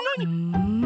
うん。